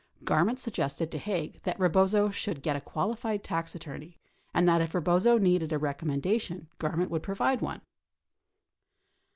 Garment suggested to Haig that Eebozo should get a qualified tax attorney, and that if Eebozo needed a recommen dation Garment would provide one.